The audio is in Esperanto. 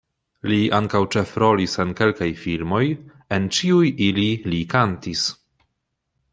Li ankaŭ ĉefrolis en kelkaj filmoj, en ĉiuj ili li kantis.